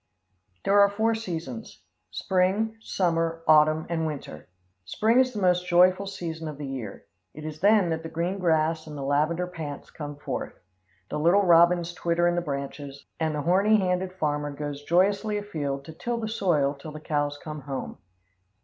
There are four seasons spring, summer, autumn and winter. Spring is the most joyful season of the year. It is then that the green grass and the lavender pants come forth. The little robbins twitter in the branches, and the horny handed farmer goes joyously afield to till the soil till the cows come home.